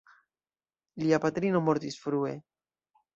Lia patrino mortis frue.